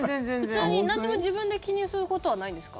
普通に、何も自分で記入することはないんですか？